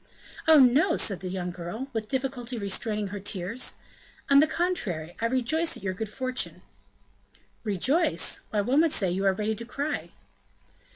"Oh, no!" said the young girl, with difficulty restraining her tears; "on the contrary, I rejoice at your good fortune." "Rejoice! why, one would say you are ready to cry!"